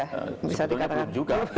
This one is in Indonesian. sebetulnya belum juga